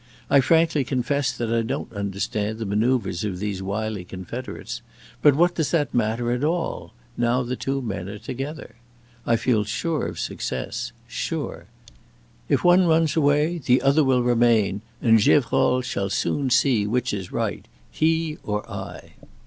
"I frankly confess that I don't understand the maneuvres of these wily confederates, but what does that matter after all; now the two men are together, I feel sure of success sure. If one runs away, the other will remain, and Gevrol shall soon see which is right, he or I."